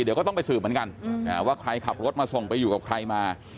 เดี๋ยวก็ต้องไปสืบเหมือนกันว่าใครขับรถมาส่งไปอยู่กับใครมา